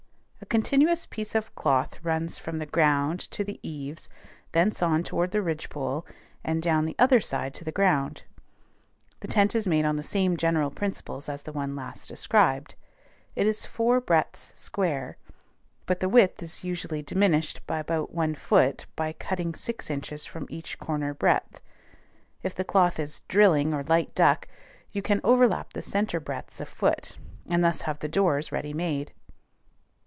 A continuous piece of cloth runs from the ground to the eaves, thence on toward the ridgepole, and down the other side to the ground. The tent is made on the same general principles as the one last described. It is four breadths square, but the width is usually diminished about one foot by cutting six inches from each corner breadth. If the cloth is drilling or light duck, you can overlap the centre breadths a foot, and thus have the doors ready made.